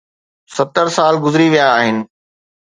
ستر سال گذري ويا آهن.